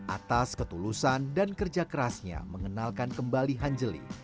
atas ketulusan dan kerja kerasnya mengenalkan kembali hanjeli